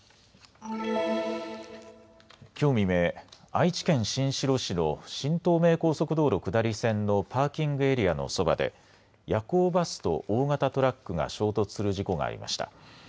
きょう未明、愛知県新城市の新東名高速道路下り線のパーキングエリアのそばで夜行バスと大型トラックが衝突する事故がありました。